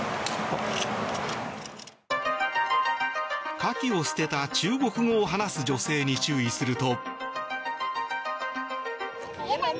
カキを捨てた中国語を話す女性に注意すると。